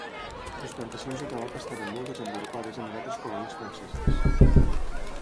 Les plantacions de tabac estaven molt desenvolupades en les altres colònies franceses.